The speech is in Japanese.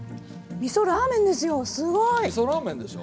みそラーメンでしょ。